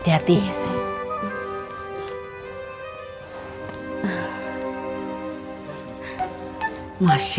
bawa dokter para dulu ya